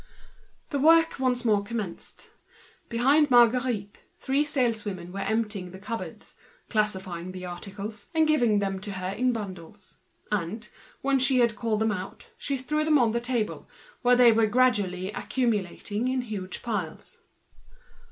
The work once more commenced. Behind Marguerite three saleswomen were emptying the cupboards, classifying the articles, giving them to her in bundles; and, when she had called them out, she threw them on the table, where they were gradually heaping up in enormous piles.